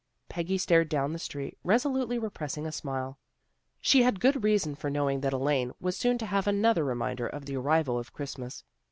Peggy stared down the street, resolutely repressing a smile. She had good reason for knowing that Elaine was soon to have another reminder of the arrival of Christmas.